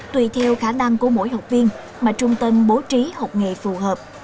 tùy theo khả năng của mỗi học viên mà trung tâm bố trí học nghề phù hợp